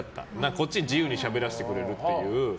こっち、自由にしゃべらせてくれるっていう。